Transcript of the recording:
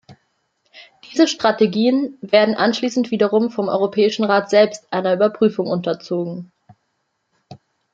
Diese Strategien werden anschließend wiederum vom Europäischen Rat selbst einer Überprüfung unterzogen.